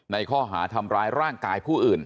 ในข้อหาทำร้ายร่างกายผู้อื่น